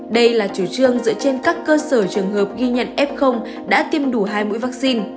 đây là chủ trương dựa trên các cơ sở trường hợp ghi nhận f đã tiêm đủ hai mũi vaccine